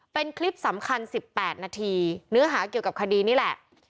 เป็นคลิปสำคัญ๑๘นาทีเนื้อหาเกี่ยวกับคดีนี่แหละ